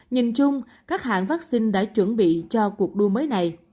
nhìn chung các hãng vaccine đã chuẩn bị cho cuộc đua mới này